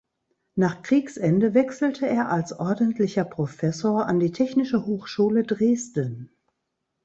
Nach Kriegsende wechselte er als ordentlicher Professor an die Technische Hochschule Dresden.